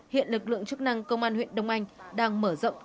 hiện lực lượng chức năng công an huyện đông anh đang mở rộng điều tra vụ án